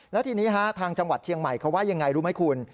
แล้วทีนี้ทางจังหวัดเชียงใหม่เขาว่ายังไงรู้ไหมคุณ